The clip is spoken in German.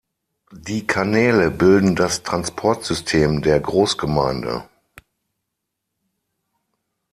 Die Kanäle bilden das Transportsystem der Großgemeinde.